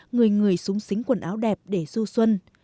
người người súng sính quần áo đẹp để du xuân